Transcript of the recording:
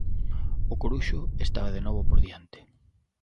O Coruxo estaba de novo por diante.